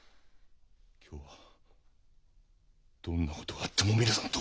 今日はどんな事があってもおみのさんと！